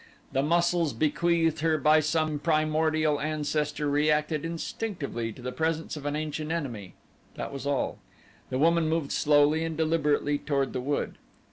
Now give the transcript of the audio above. The muscles bequeathed her by some primordial ancestor reacted instinctively to the presence of an ancient enemy that was all. The woman moved slowly and deliberately toward the wood.